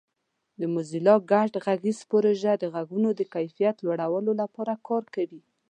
د موزیلا ګډ غږ پروژه د غږونو د کیفیت لوړولو لپاره کار کوي.